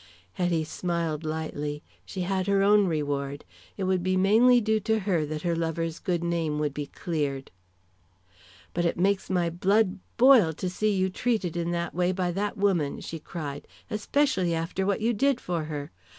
Hetty smiled lightly. She had her own reward. It would be mainly due to her that her lover's good name would be cleared. "But it makes my blood boil to see you treated in that way by that woman," she cried, "especially after what you did for her.